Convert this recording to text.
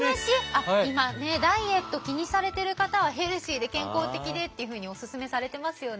あっ今ねダイエット気にされてる方はヘルシーで健康的でっていうふうにおすすめされてますよね。